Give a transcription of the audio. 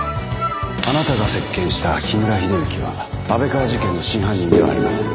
あなたが接見した木村秀幸は安倍川事件の真犯人ではありません。